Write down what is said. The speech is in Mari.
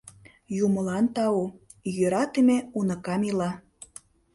— Юмылан тау, йӧратыме уныкам ила...